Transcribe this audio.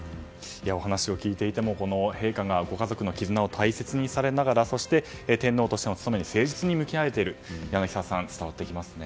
お話を聞いていても陛下がご家族の絆を大切にされながらそして天皇としての務めに誠実に向き合えていることが伝わってきますね。